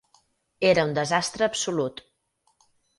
Era un desastre absolut.